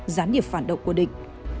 gián điệp phản động của địch